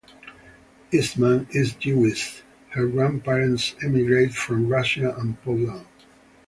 Essman is Jewish; her grandparents emigrated from Russia and Poland.